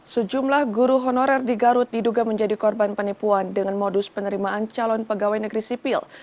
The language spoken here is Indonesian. sejumlah guru honorer di garut diduga menjadi korban penipuan dengan modus penerimaan calon pegawai negeri sipil